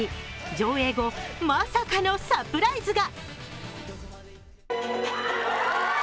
上映後、まさかのサプライズが。